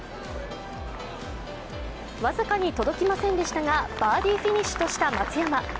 僅かに届きませんでしたがバーディーフィニッシュとした松山。